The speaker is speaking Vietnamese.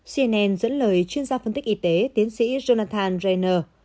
cnn dẫn lời chuyên gia phân tích y tế tiến sĩ jonathan rainer